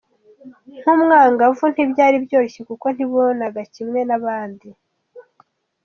Nk’umwangavu ntibyari byoroshye kuko ntibonaga kimwe n’abandi.